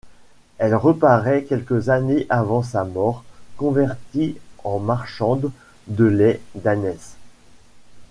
Elle reparaît quelques années avant sa mort, convertie en marchande de lait d'ânesse...